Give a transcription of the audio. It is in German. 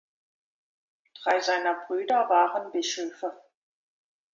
Drei seiner Brüder waren Bischöfe.